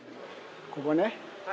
ここね。